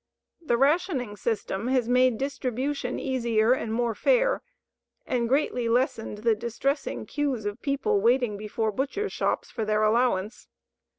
The rationing system has made distribution easier and more fair and greatly lessened the distressing "queues" of people waiting before butchers' shops for their allowance.